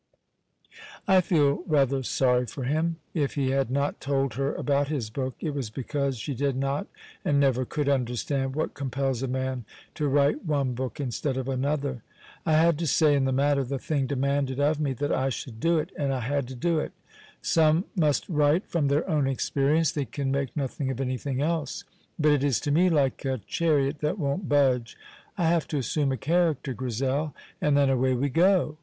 I feel rather sorry for him. If he had not told her about his book it was because she did not and never could understand what compels a man to write one book instead of another. "I had no say in the matter; the thing demanded of me that I should do it, and I had to do it. Some must write from their own experience, they can make nothing of anything else; but it is to me like a chariot that won't budge; I have to assume a character, Grizel, and then away we go.